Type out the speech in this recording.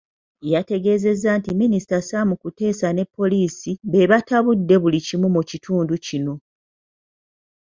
Yategeezezza nti Minisita Sam Kuteesa ne poliisi be batabudde buli kimu mu kitundu kino.